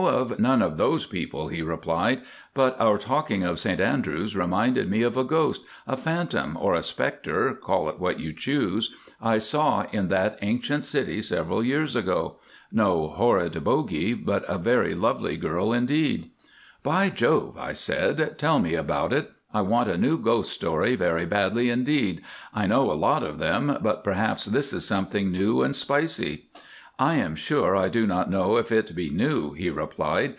Of none of those people," he replied; "but our talking of St Andrews reminded me of a ghost, a phantom, or a spectre—call it what you choose—I saw in that ancient city several years ago—no horrid bogie, but a very lovely girl, indeed." "By Jove," I said, "tell me about it; I want a new ghost tale very badly indeed. I know a lot of them, but perhaps this is something new and spicy." "I am sure I do not know if it be new," he replied.